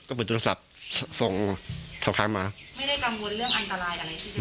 ก็เปิดโทรศัพท์ส่งทางข้างมาไม่ได้กังวลเรื่องอันตรายอะไร